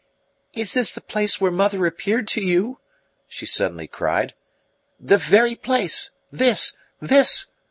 "Is this the place where mother appeared to you?" she suddenly cried. "The very place this! This!"